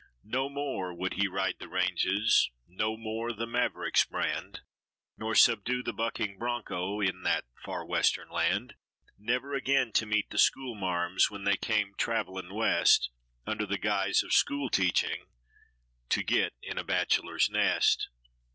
No more would he ride the ranges, no more the mavericks brand, Nor subdue the bucking broncho, in that far western land; Never again to meet the school marms, when they came traveling West Under the guise of school teaching, to get in a bachelor's nest.